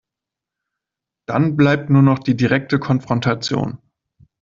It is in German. Dann bleibt nur noch die direkte Konfrontation.